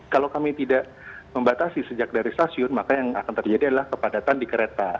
kalau kami tidak membatasi sejak dari stasiun maka yang akan terjadi adalah kepadatan di kereta